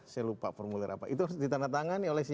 saya lupa formulir apa itu ditandatangani oleh si